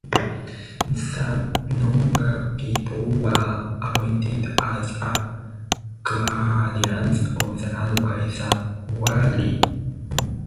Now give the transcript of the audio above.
The Noongar people were appointed as the guardians of the land by the Wagyl.